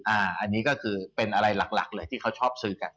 อันนี้ก็คือเป็นอะไรหลักเลยที่เขาชอบซื้อกัน